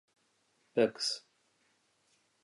Bugs!